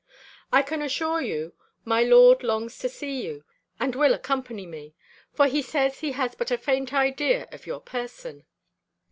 I can assure you, my lord longs to see you, and will accompany me; for, he says, he has but a faint idea of your person.